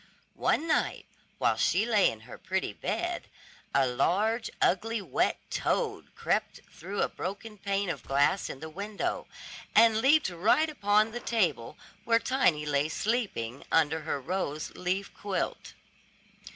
One night, while she lay in her pretty bed, a large, ugly, wet toad crept through a broken pane of glass in the window, and leaped right upon the table where Tiny lay sleeping under her rose leaf quilt.